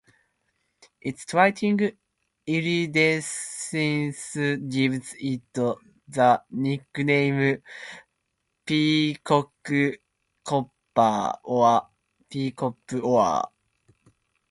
Its striking iridescence gives it the nickname "peacock copper" or "peacock ore".